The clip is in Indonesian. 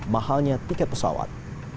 mahalnya tiket pesawat